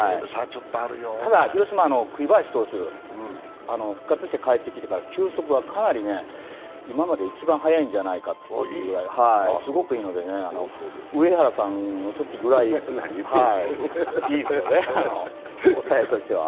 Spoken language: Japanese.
ただ広島、栗林投手、復活して帰ってきてから球速がかなり今まで一番速いんじゃないかというぐらいすごくいいのでね、上原さんのときぐらい、いいですよね、抑えとしては。